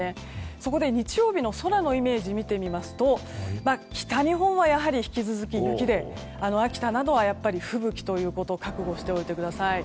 そこで、日曜日の空のイメージを見てみますと、北日本はやはり引き続き、雪で秋田などは吹雪ということ覚悟しておいてください。